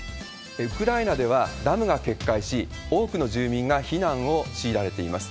ウクライナではダムが決壊し、多くの住民が避難を強いられています。